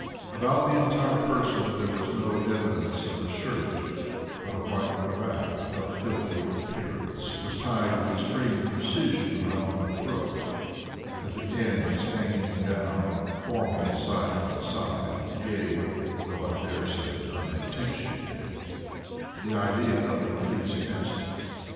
About the entire person there was no evidence of a shirt, but a white cravat, of filthy appearance, was tied with extreme precision around the throat and the ends hanging down formally side by side gave (although I dare say unintentionally) the idea of an ecclesiastic.